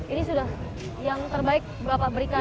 ini sudah yang terbaik berapa berikan